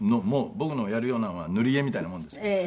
僕のやるようなのは塗り絵みたいなもんですけど。